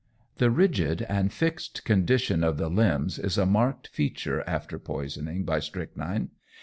The rigid and fixed condition of the limbs is a marked feature after poisoning by strychnine.